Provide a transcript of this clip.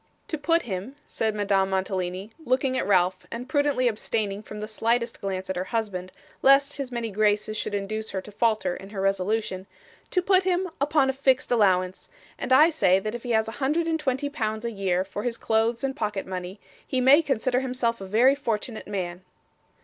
'To put him,' said Madame Mantalini, looking at Ralph, and prudently abstaining from the slightest glance at her husband, lest his many graces should induce her to falter in her resolution, 'to put him upon a fixed allowance; and I say that if he has a hundred and twenty pounds a year for his clothes and pocket money, he may consider himself a very fortunate man.